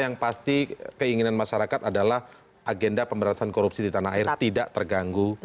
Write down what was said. yang pasti keinginan masyarakat adalah agenda pemberantasan korupsi di tanah air tidak terganggu